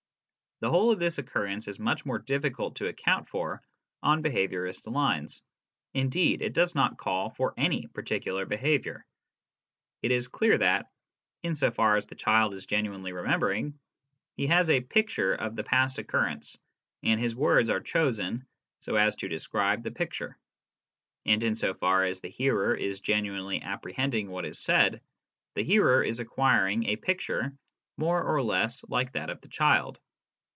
The whole of this occurrence is much more difficult to account for on behaviourist lines indeed, it does not call for any particular behaviour. It is clear that, in so far as the child is genuinely remembering, he has a picture of the past occurrence, and his words are chosen so as to describe the picture ; and in so far as the hearer is genuinely apprehending what is said, the hearer is acquiring a picture more or less like that of the child.